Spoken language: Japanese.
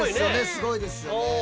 すごいですよね。